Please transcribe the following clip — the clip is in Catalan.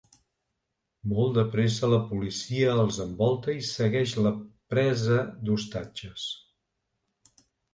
Molt de pressa la policia els envolta i segueix la presa d'ostatges.